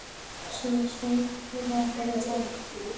শেষ হয়ে থাকলে দয়া করে যান।